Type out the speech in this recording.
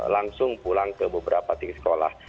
langsung pulang ke beberapa titik sekolah